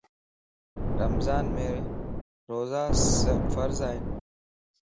رمضان مَ روزا فرض ائين